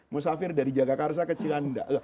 musafir dari jagakarsa ke cilanda